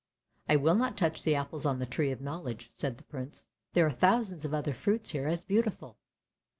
" I will not touch the apples on the Tree of Knowledge," said the Prince. " There are thousands of other fruits here as beautiful."